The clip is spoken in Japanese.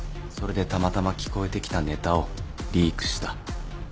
それでたまたま聞こえてきたネタをリークした。